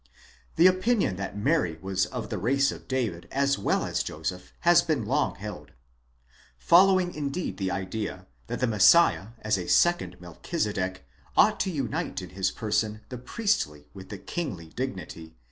9 The opinion that Mary was of the race of David as well as Joseph has been long held. Following indeed the idea, that the Messiah, as a second Melchizedec, ought to unite in his person the priestly with the kingly dignity